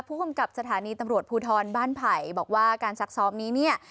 ผู้กำกับสถานีตำรวจภูทรบ้านไผ่บอกว่าการซักซ้อมนี้เนี่ย